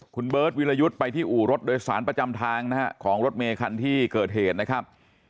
คุณเบิร์ตวิรยุทธ์ไปที่อู่รถโดยสารประจำทางนะฮะของรถเมคันที่เกิดเหตุนะครับ